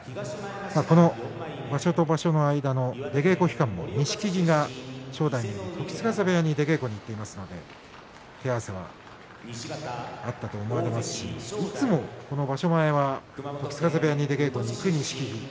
この場所と場所の間の出稽古期間も錦木が正代の時津風部屋に出稽古に行っていますので手合わせはあったと思われますしいつもこの場所前は時津風部屋に出稽古に行く錦木。